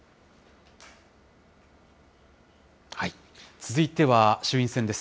続いては衆議院選です。